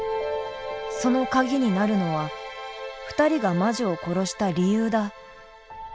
そのカギになるのは２人が魔女を殺した理由だ。